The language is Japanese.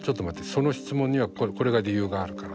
その質問にはこれが理由があるから」